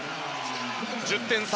１０点差。